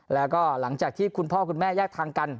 แล้วก็หลังจากที่คุณพ่อคุณแม่แยกทางกัน